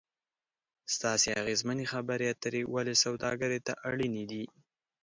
ستاسې اغیزمنې خبرې اترې ولې سوداګري ته اړینې دي ؟